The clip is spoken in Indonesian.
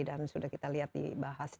dan sudah kita lihat dibahas di